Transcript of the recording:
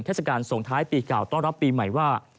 เทศกาลส่งท้ายปีเก่าต้อนรับปีใหม่ว่า